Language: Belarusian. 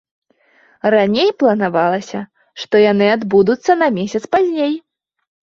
Раней планавалася, што яны адбудуцца на месяц пазней.